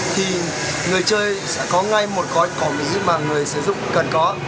thì người chơi sẽ có ngay một gói cỏ mỹ mà người sử dụng cần có